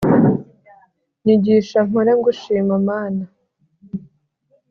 Nyigisha mpore ngushima Mana